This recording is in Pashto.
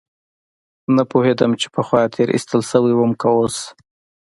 نه پوهېدم چې پخوا تېر ايستل سوى وم که اوس.